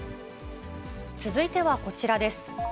続いてはこちらです。